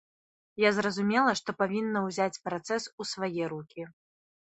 Я зразумела, што павінна ўзяць працэс у свае рукі.